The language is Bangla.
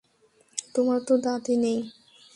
তোমার তো দাঁতই নেই।